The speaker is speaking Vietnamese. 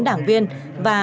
đảng viên thuộc tri bộ